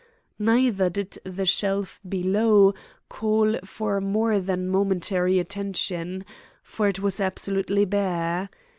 Neither did the shelf below call for more than momentary attention, for it was absolutely bare.